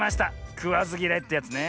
くわずぎらいってやつね。